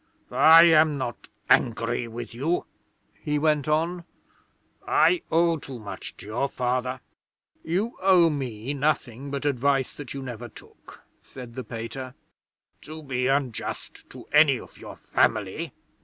'"I am not angry with you," he went on; "I owe too much to your Father " '"You owe me nothing but advice that you never took," said the Pater. '" to be unjust to any of your family.